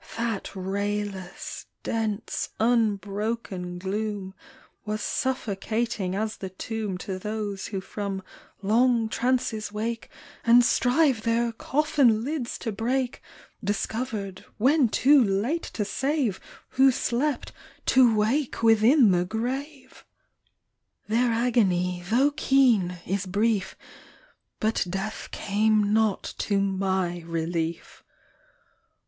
That rayless, dense, unbroken gloom Was suffocating as the tomb To those who from long trances wake. And strive their coffin lids to break (Discovered, when too late to save), Who slept, to wake within the grave ! 3* 30 BABY POWER, Their agony, though keen, is brief, But death came not to my relief.